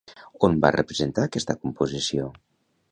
On va representar aquesta composició?